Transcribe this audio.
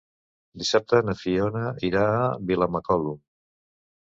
Dissabte na Fiona irà a Vilamacolum.